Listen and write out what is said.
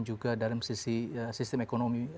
juga dalam sisi sistem ekonomi